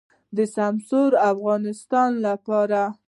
د سمسور افغانستان لپاره.